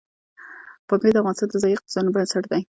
پامیر د افغانستان د ځایي اقتصادونو بنسټ دی.